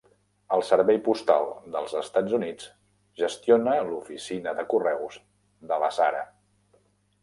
El Servei Postal dels Estats Units gestiona l'oficina de correus de Lasara.